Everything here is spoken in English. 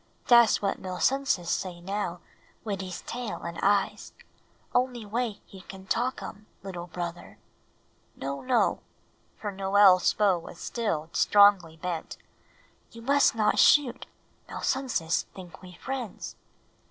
Das what Malsunsis say now wid hees tail and eyes; only way he can talk um, little brother. No, no," for Noel's bow was still strongly bent, "you must not shoot. Malsunsis think we friends."